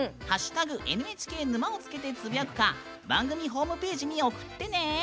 「＃ＮＨＫ沼」をつけてつぶやくか番組ホームページに送ってね。